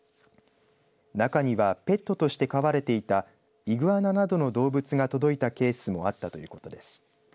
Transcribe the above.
中にはペットとして飼われていたイグアナなどの動物が届いたケースもあったということです。